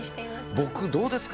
僕、どうですか？